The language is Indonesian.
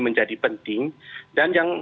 menjadi penting dan yang